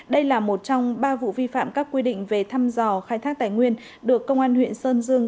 đây là một trong ba vụ vi phạm các quy định về thăm dò khai thác tài nguyên được công an huyện sơn dương